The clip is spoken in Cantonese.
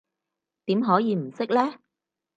點可以唔識呢？